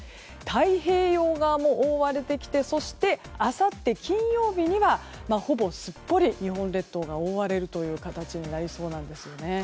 太平洋側も荒れてきてそして、あさって金曜日にはほぼすっぽり日本列島が覆われるという形になりそうなんですよね。